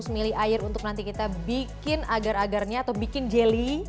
empat ratus ml air untuk nanti kita bikin agar agarnya atau bikin jeli